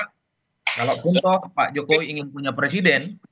kalau contoh pak jokowi ingin punya presiden